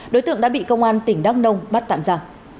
đối tượng đã bị công an tỉnh đắk nông bắt tạm giả